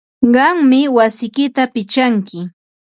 Qammi wasiyki pichanki.